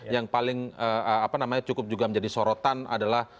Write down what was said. yang paling cukup juga menjadi sorotan adalah